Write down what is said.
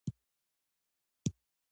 ډيپلوماسي د پانګوني د زیاتيدو سبب کېږي.